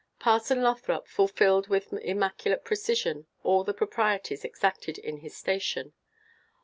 Parson Lothrop fulfilled with immaculate precision all the proprieties exacted in his station.